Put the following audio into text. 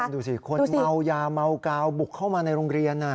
ดูสิคนเมายาเมากาวบุกเข้ามาในโรงเรียน